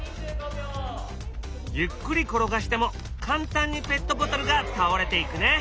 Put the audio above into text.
ゆっくり転がしても簡単にペットボトルが倒れていくね。